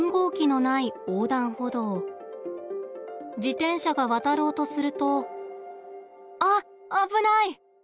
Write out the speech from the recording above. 自転車が渡ろうとするとあっ危ない！